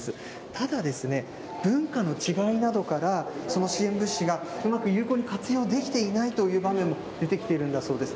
ただ、文化の違いなどからその支援物資がうまく有効に活用できていないという場面も出てきているんだそうです。